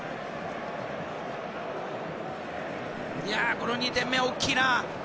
この２点目は大きいな。